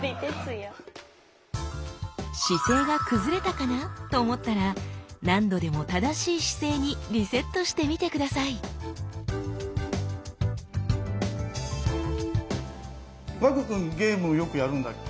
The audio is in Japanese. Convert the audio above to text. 姿勢が崩れたかなと思ったら何度でも正しい姿勢にリセットしてみて下さい和空くんゲームよくやるんだっけ？